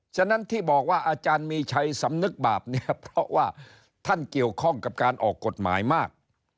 ฉะนั้นที่บอกว่าอาจารย์มีชัยสำนึกบาปเนี่ยเพราะว่าท่านเกี่ยวข้องกับการออกกฎหมายมาก